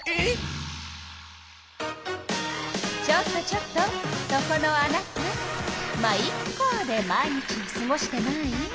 ちょっとちょっとそこのあなた「ま、イッカ」で毎日をすごしてない？